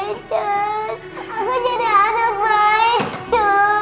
aku jadi anak baik